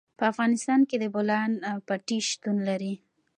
په افغانستان کې د بولان پټي شتون لري.